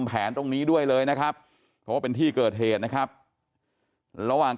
แผนตรงนี้ด้วยเลยนะครับเพราะว่าเป็นที่เกิดเหตุนะครับระหว่าง